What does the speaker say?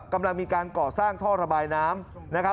กำลังมีการก่อสร้างท่อระบายน้ำนะครับ